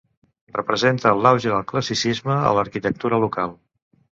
Representa l'auge del classicisme a l'arquitectura local.